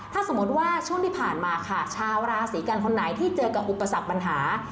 ถ้าสมมติว่าช่วงที่ผ่านมาค่ะชาวราศีกันคนไหนที่เจอกับอุปสรรคปัญหา